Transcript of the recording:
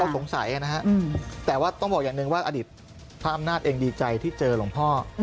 เราก็สงสัยแต่ว่าต้องบอกอย่างหนึ่งอดิษฐ์พระอำนาจเองดีใจที่เจอหลงพ่อ